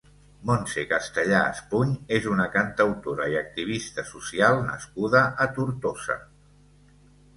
Montse Castellà Espuny és una cantautora i activista social nascuda a Tortosa.